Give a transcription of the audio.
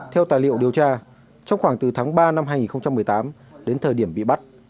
theo tài liệu điều tra trong khoảng từ tháng ba năm hai nghìn một mươi tám đến thời điểm bị bắt